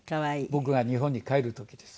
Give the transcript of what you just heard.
僕が日本に帰る時です。